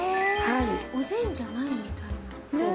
おでんじゃないみたいなそう？